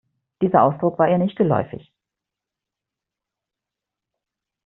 Dieser Ausdruck war ihr nicht geläufig.